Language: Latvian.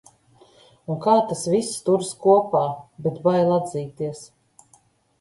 Un kā tas viss turas kopā. Bet - bail atzīties...